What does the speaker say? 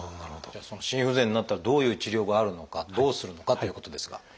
じゃあその心不全になったらどういう治療があるのかどうするのかということですが。